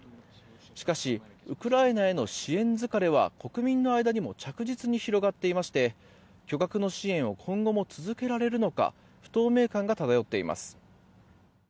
しかし、ウクライナへの支援疲れは国民の間にも着実に広がっていまして巨額の支援を今後も続けられるのか不透明感が漂っています。